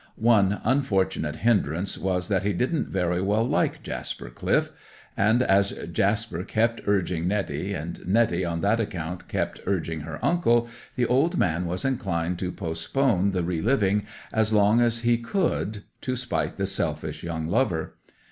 One unfortunate hindrance was that he didn't very well like Jasper Cliff; and as Jasper kept urging Netty, and Netty on that account kept urging her uncle, the old man was inclined to postpone the re liveing as long as he could, to spite the selfish young lover.